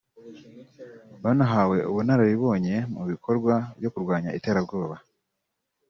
Banahawe ubunararibonye mu bikorwa byo kurwanya iterabwoba